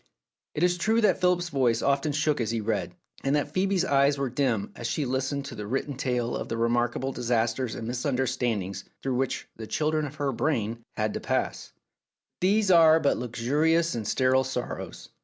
It is true that Philip's voice often shook as he read, and that Phoebe's eyes were dim as she listened to the written tale of the remark able disasters and misunderstandings through which the children of her brain had to pass; but these were but luxurious and sterile sorrows.